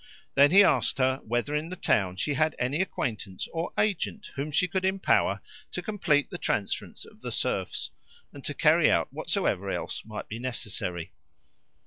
Then he asked her whether in the town she had any acquaintance or agent whom she could empower to complete the transference of the serfs, and to carry out whatsoever else might be necessary.